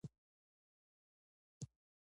وسله نسل ختموي